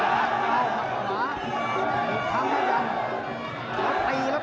หักขวาหักขวาหักขวาหักขวา